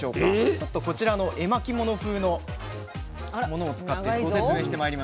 ちょっとこちらの絵巻物風のものを使ってご説明してまいりましょう。